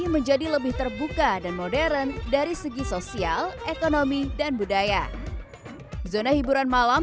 menjadi lebih terbuka dan modern dari segi sosial ekonomi dan budaya zona hiburan malam